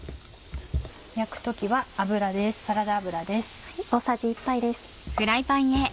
焼く時はサラダ油です。